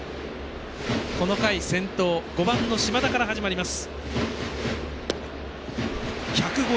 この回先頭５番の島田から始まります。